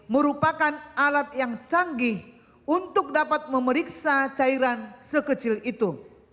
merupakan alat yang canggih untuk dapat memeriksa cairan sekecil itu